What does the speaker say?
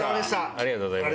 ありがとうございます。